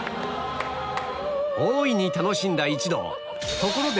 大いに楽しんだ一同ところで